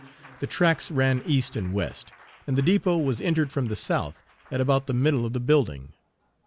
The tracks ran east and west, and Page 114 the depot was entered from the south, at about the middle of the building.